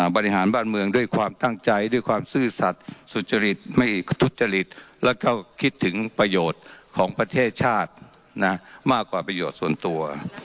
บริหารบ้านเมืองด้วยความตั้งใจด้วยความซื่อสัตว์สุจริตไม่ทุจริตแล้วก็คิดถึงประโยชน์ของประเทศชาตินะมากกว่าประโยชน์ส่วนตัว